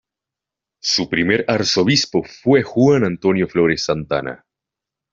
Su primer arzobispo fue Juan Antonio Flores Santana.